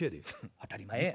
当たり前や。